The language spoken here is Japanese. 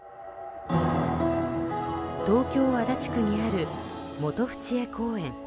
東京・足立区にある元渕江公園。